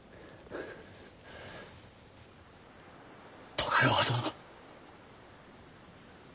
徳川殿。